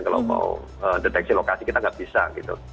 kalau mau deteksi lokasi kita nggak bisa gitu